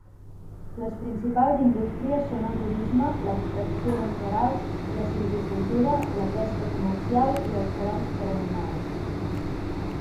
Les principals indústries són el turisme, l'extracció de minerals, la silvicultura, la pesca comercial i els paranys per a animals.